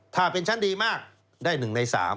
ถ้าเป็นชั้นดีมากได้๑ใน๓